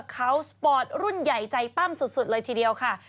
เขาสปอร์ตรุ่นใหญ่ใจปั้มสุดเลยทีเดียวค่ะ